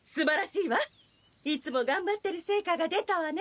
いつもがんばってるせいかが出たわね。